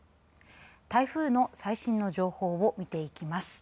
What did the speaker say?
台風の最新の情報を見ていきます。